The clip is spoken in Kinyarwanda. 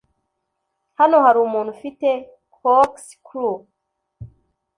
Hano hari umuntu ufite corkscrew?